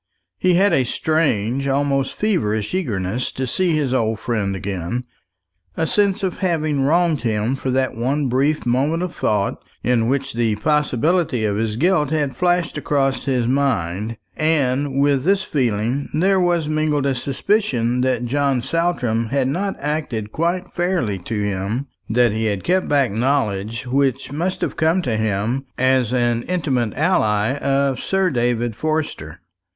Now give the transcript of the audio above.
He had a strange, almost feverish eagerness to see his old friend again; a sense of having wronged him for that one brief moment of thought in which the possibility of his guilt had flashed across his mind; and with this feeling there was mingled a suspicion that John Saltram had not acted quite fairly to him; that he had kept back knowledge which must have come to him as an intimate ally of Sir David Forster.